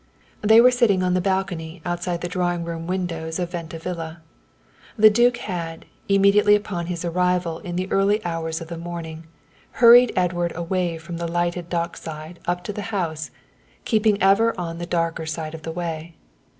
They were sitting on the balcony outside the drawing room windows of Venta Villa. The duke had, immediately upon his arrival in the early hours of the morning, hurried Edward away from the lighted dock side up to the house, keeping ever on the darker side of the way.